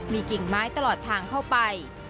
มีกิ่งไม้ตลอดทางเข้าไป